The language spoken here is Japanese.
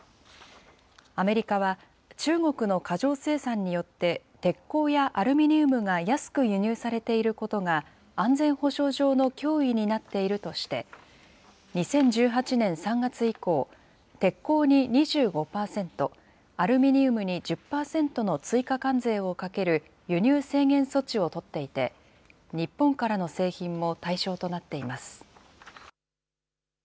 アメリカは、中国の過剰生産によって、鉄鋼やアルミニウムが安く輸入されていることが、安全保障上の脅威になっているとして、２０１８年３月以降、鉄鋼に２５％、アルミニウムに１０％の追加関税をかける輸入制限措置を取っていて、日本からの製品も対象となっています。